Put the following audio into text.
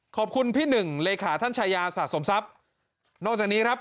ขอบคุณพี่หนึ่งเลขาท่านชายาสะสมทรัพย์นอกจากนี้ครับ